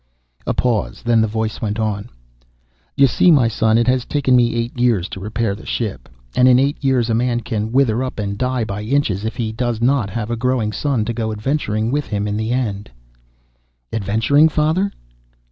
A pause, then the voice went on, "You see, my son, it has taken me eight years to repair the ship. And in eight years a man can wither up and die by inches if he does not have a growing son to go adventuring with him in the end." "Adventuring, father?"